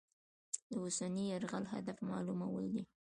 د اوسني یرغل هدف معلومول دي.